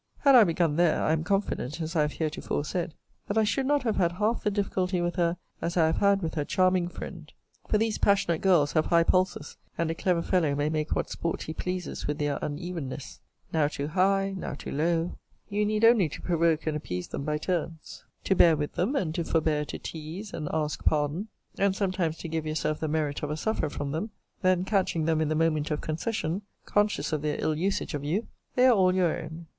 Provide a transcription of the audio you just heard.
Had I begun there, I am confident, as I have heretofore said,* that I should not have had half the difficulty with her as I have had with her charming friend. For these passionate girls have high pulses, and a clever fellow may make what sport he pleases with their unevenness now too high, now too low, you need only to provoke and appease them by turns; to bear with them, and to forbear to tease and ask pardon; and sometimes to give yourself the merit of a sufferer from them; then catching them in the moment of concession, conscious of their ill usage of you, they are all your own.